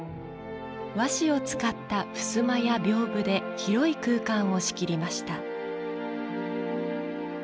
和紙を使ったふすまや、びょうぶで広い空間を仕切りました。